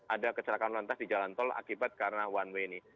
ada kecelakaan lantas di jalan tol akibat karena one way ini